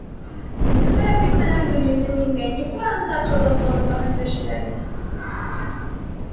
Зөләйха әбей менән Гөлйөҙөм еңгә ни тураһындалыр ҡыҙып-ҡыҙып бәхәсләшәләр ине.